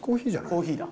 コーヒーだ。